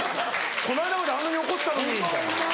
「この間まであんなに怒ってたのに」みたいな。